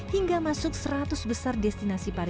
hingga masuk seratus besar destinasi pariwisata